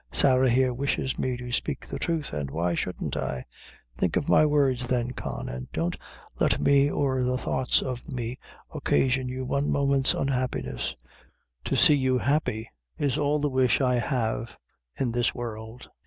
Sarah here wishes me to spake the truth, an' why shouldn't I? Think of my words then, Con, and don't let me or the thoughts of me occasion you one moment's unhappiness. To see you happy is all the wish I have in this world."